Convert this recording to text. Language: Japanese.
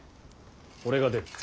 俺が出る。